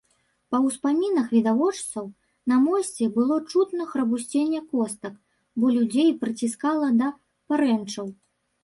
Па ўспамінах відавочцаў, на мосце было чутно храбусценне костак, бо людзей прыціскала да парэнчаў.